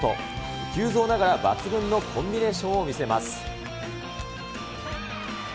急造ながら抜群のコンビネーションを見せます。